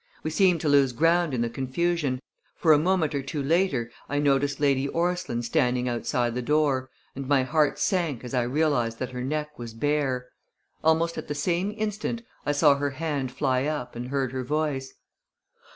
We seemed to lose ground in the confusion, for a moment or two later I noticed Lady Orstline standing outside the door, and my heart sank as I realized that her neck was bare. Almost at the same instant I saw her hand fly up and heard her voice.